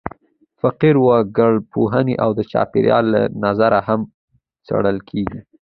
فقر د وګړپوهنې او د چاپېریال له نظره هم څېړل کېږي.